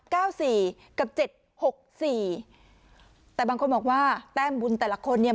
เก้าสี่กับเจ็ดหกสี่แต่บางคนบอกว่าแต้มบุญแต่ละคนเนี่ย